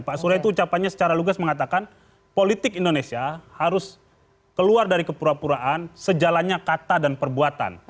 pak surya itu ucapannya secara lugas mengatakan politik indonesia harus keluar dari kepura puraan sejalannya kata dan perbuatan